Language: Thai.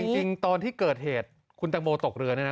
จริงตอนที่เกิดเหตุคุณตังโมตกเรือเนี่ยนะ